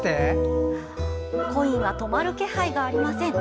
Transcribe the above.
コインは止まる気配がありません。